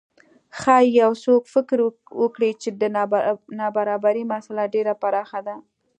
ښايي یو څوک فکر وکړي چې د نابرابرۍ مسئله ډېره پراخه ده.